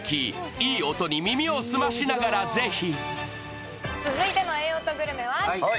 いい音に耳をすましながら、ぜひ。